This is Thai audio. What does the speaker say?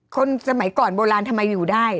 สมัยก่อนโบราณทำไมอยู่ได้